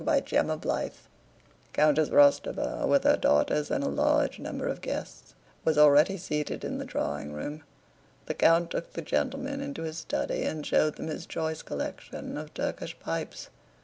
CHAPTER XVIII Countess Rostóva, with her daughters and a large number of guests, was already seated in the drawing room. The count took the gentlemen into his study and showed them his choice collection of Turkish pipes.